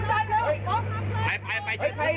วิ่ง